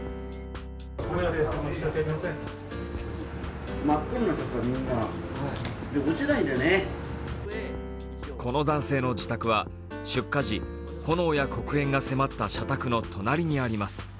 この男性の自宅は出火時、炎や黒煙が迫った社宅の隣にあります。